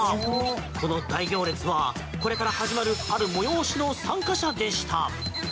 この大行列は、これから始まるある催しの参加者でした。